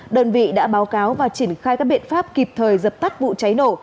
đơn vị đã báo cáo và triển khai các biện pháp kịp thời dập tắt vụ cháy nổ